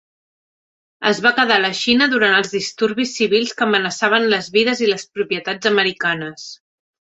Es va quedar a la Xina durant els disturbis civils que amenaçaven les vides i les propietats americanes.